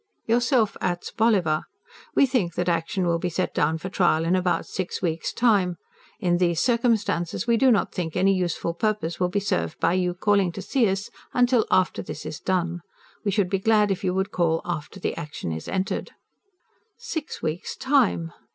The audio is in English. YOURSELF ATS. BOLLIVER. WE THINK THAT ACTION WILL BE SET DOWN FOR TRIAL IN ABOUT SIX WEEKS' TIME. IN THESE CIRCUMSTANCES WE DO NOT THINK ANY USEFUL PURPOSE WILL BE SERVED BY YOU CALLING TO SEE US UNTIL THIS IS DONE. WE SHOULD BE GLAD IF YOU WOULD CALL AFTER THE ACTION IS ENTERED. Six weeks' time?